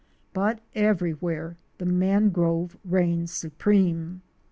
But everywhere the mangrove reigns supreme.